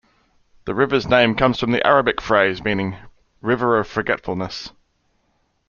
The river's name comes from the Arabic phrase meaning "River of Forgetfulness".